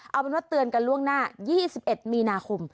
เอาเป็นว่าเตือนกันล่วงหน้ายี่สิบเอ็ดมีนาคม